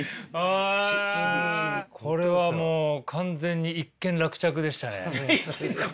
これはもう完全に一件落着でしたね。